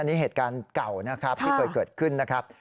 นี่เหตุการณ์เก่านะครับที่เคยเกิดขึ้นนะครับ